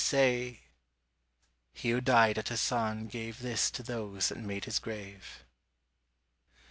say! _He who died at Asan gave This to those that made his grave.